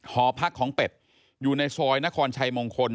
หอพักของเป็ดอยู่ในซอยนครชัยมงคล